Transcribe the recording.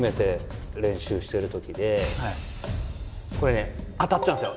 これね当たっちゃうんですよ。